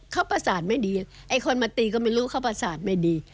เขาประสานไม่ดีไอ้คนมาตีก็ไม่รู้เขาประสาทไม่ดี